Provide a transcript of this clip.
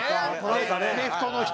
レフトの人に。